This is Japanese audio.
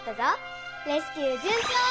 レスキューじゅんちょう！